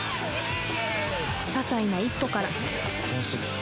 ささいな一歩から